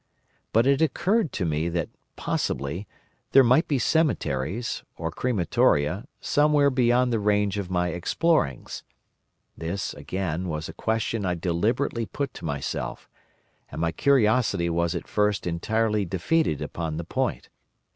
But it occurred to me that, possibly, there might be cemeteries (or crematoria) somewhere beyond the range of my explorings. This, again, was a question I deliberately put to myself, and my curiosity was at first entirely defeated upon the point.